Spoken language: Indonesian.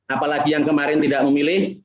apalagi yang kemarin tidak memilih